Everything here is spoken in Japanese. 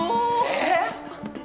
えっ！？